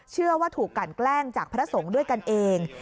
เชื่อว่าถูกกันแกล้งจากพระสงฆ์ด้วยกันเอง